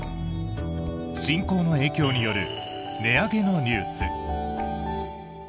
侵攻の影響による値上げのニュース。